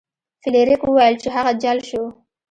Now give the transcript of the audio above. فلیریک وویل چې هغه جل شو.